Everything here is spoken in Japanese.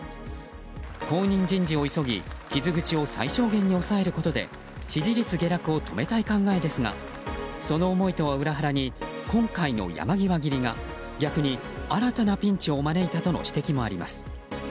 後任人事を急ぎ、傷口を最小限に抑えることで支持率下落を止めたい考えですがその思いとは裏腹に今回の山際切りが逆に新たなピンチを招いたとの指摘もあります。